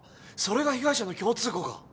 それが被害者の共通項か。